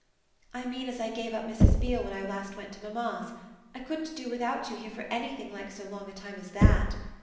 "I mean as I gave up Mrs. Beale when I last went to mamma's. I couldn't do without you here for anything like so long a time as that."